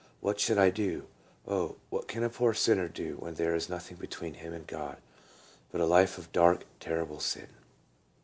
What should I do ? Oh, what can a poor sinner do when there is nothing between him and God, but a life of dark, terrible sin